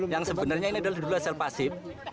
yang sebenarnya ini adalah dua sel pasif